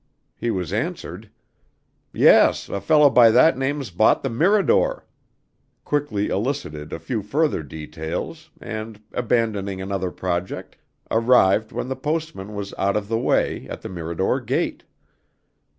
He was answered: "Yes, a fellow by that name's bought the Mirador"; quickly elicited a few further details, and, abandoning another project, arrived when the postman was out of the way, at the Mirador gate.